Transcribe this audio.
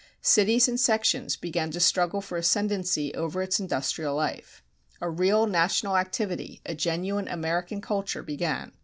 Cities and sections began to struggle for ascendancy over its industrial life. A real national activity, a genuine American culture began.